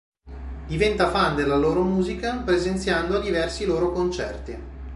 Diventa fan della loro musica, presenziando a diversi loro concerti.